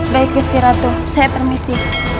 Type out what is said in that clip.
baik gustiratu saya permisi